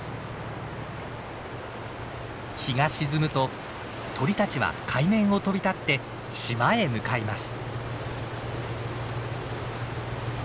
日が沈むと鳥たちは海面を飛び立って島へ向かいます。